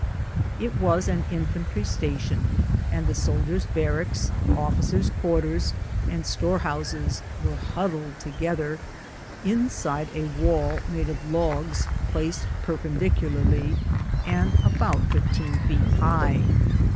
It was an infantry station, and the soldiers' barracks, officers' quarters, and storehouses were huddled together inside a wall made of logs placed perpendicularly and about fifteen feet high.